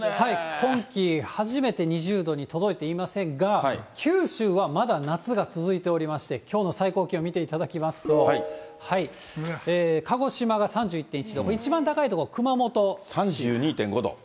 今季初めて２０度に届いていませんが、九州はまだ夏が続いておりまして、きょうの最高気温見ていただきますと、鹿児島が３１．１度、一番３２．５度。